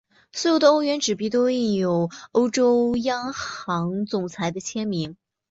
所有的欧元纸币都印有欧洲央行总裁的签名。